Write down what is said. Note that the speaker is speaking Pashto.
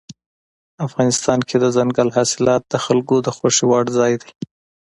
افغانستان کې دځنګل حاصلات د خلکو د خوښې وړ ځای دی.